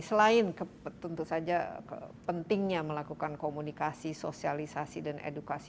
selain tentu saja pentingnya melakukan komunikasi sosialisasi dan edukasi